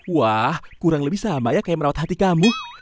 wah kurang lebih sama ya kayak merawat hati kamu